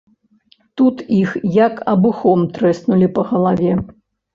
Тут іх як абухом трэснулі па галаве.